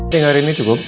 tinggal ini cukup